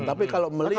tapi kalau melihat